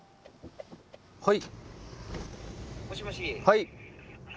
はい。